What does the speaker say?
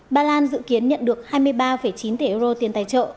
ba lan dự kiến nhận được hai mươi ba chín tỷ euro tiền tài trợ